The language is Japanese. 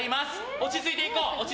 落ち着いていこう！